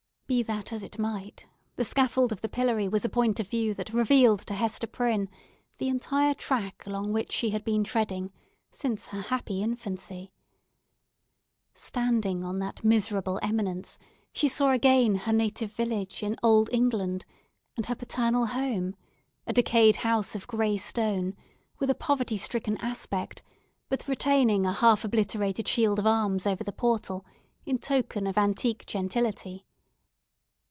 Be that as it might, the scaffold of the pillory was a point of view that revealed to Hester Prynne the entire track along which she had been treading, since her happy infancy. Standing on that miserable eminence, she saw again her native village, in Old England, and her paternal home: a decayed house of grey stone, with a poverty stricken aspect, but retaining a half obliterated shield of arms over the portal, in token of antique gentility.